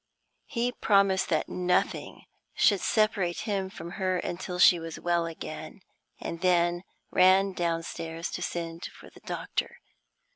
He promised that nothing should separate him from her until she was well again, and then ran downstairs to send for the doctor.